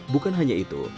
bukan hanya itu